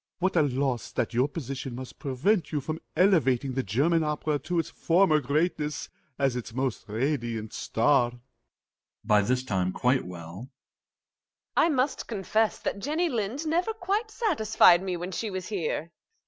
What a loss, that your position must prevent you from elevating the German opera to its former greatness, as its most radiant star! MRS. GOLD (by this time quite well). I must confess that Jenny Lind never quite satisfied me when she was here.